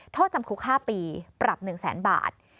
โทษจำคุคค่าปีปรับ๑๐๐๐๐๐บาท